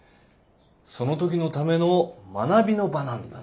その時のための学びの場なんだな